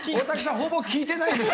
ほぼ聞いてないです。